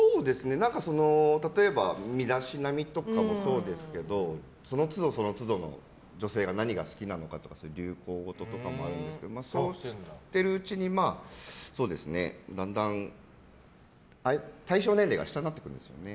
例えば、身だしなみとかもそうですけどその都度、その都度の女性が何が好きなのかとか流行ごととかもあるんですけどそうしているうちに、だんだん対象年齢が下になっていくんですよね。